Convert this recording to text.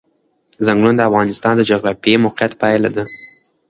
ځنګلونه د افغانستان د جغرافیایي موقیعت پایله ده.